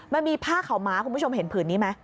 มันมีผ้าขาวม้าคุณผู้ชมเห็นผืนนี้ไหม